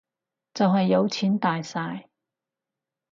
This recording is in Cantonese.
就係有錢大晒